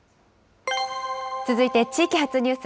続いて地域発ニュース。